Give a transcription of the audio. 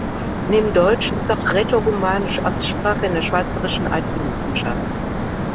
Neben Deutsch ist auch Rätoromanisch Amtssprache in der Schweizerischen Eidgenossenschaft.